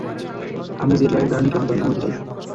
আমি জেটলাগের কারণে ক্লান্ত, আমি ঘুমাতে চাই।